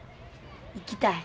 行きたい。